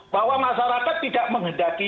bahwa masyarakat tidak mengandalkan